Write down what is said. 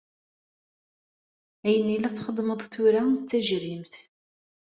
Ayen i la txeddmeḍ tura d tajrimt.